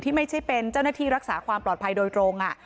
ไม่ใช่เป็นเจ้าหน้าที่รักษาความปลอดภัยโดยตรง